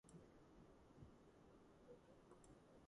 სიმღერის შექმნის ბევრი გზა არსებობს.